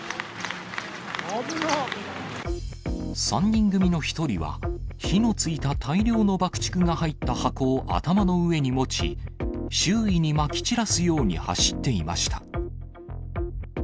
３人組の１人は、火のついた大量の爆竹が入った箱を頭の上に持ち、周囲にまき散らすように走っていました。